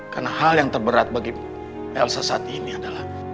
karena hal yang terberat bagi elsa saat ini adalah